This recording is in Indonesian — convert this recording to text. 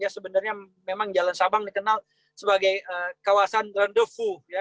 sebenarnya memang jalan sabang dikenal sebagai kawasan rendezvous